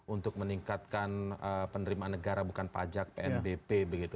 untuk meningkatkan penerimaan negara bukan pajak pnbp begitu